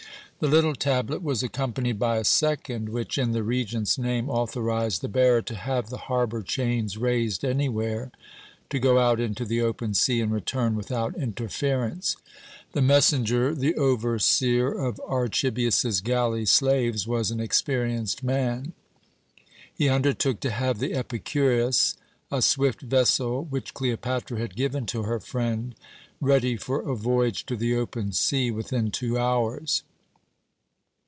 The little tablet was accompanied by a second, which, in the Regent's name, authorized the bearer to have the harbour chains raised anywhere, to go out into the open sea and return without interference. The messenger, the overseer of Archibius's galley slaves, was an experienced man. He undertook to have the "Epicurus" a swift vessel, which Cleopatra had given to her friend ready for a voyage to the open sea within two hours.